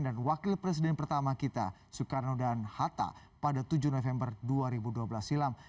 dan wakil presiden pertama kita soekarno dan hatta pada tujuh november dua ribu dua belas silam